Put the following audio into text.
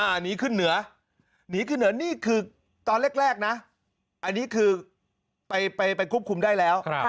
อันนี้ขึ้นเหนือหนีขึ้นเหนือนี่คือตอนแรกนะอันนี้คือไปควบคุมได้แล้ว